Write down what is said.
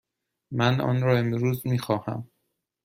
من آن را امروز می خواهم.